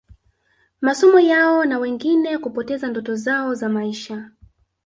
masomo yao na wengine kupoteza ndoto zao za maisha